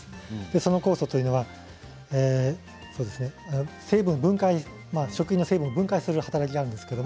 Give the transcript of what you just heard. その酵素というのは食品の成分を分解する働きがあります。